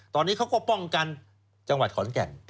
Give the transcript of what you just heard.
ตอนนี้เขาก็ป้องกันจังหวัดขอนแก่น